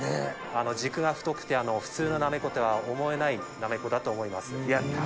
軸が太くて普通のなめことは思えないなめこだと思います。